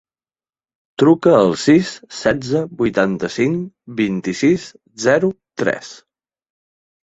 Truca al sis, setze, vuitanta-cinc, vint-i-sis, zero, tres.